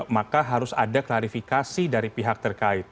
maka harus ada klarifikasi dari pihak terkait